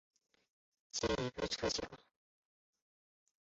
现已被撤销。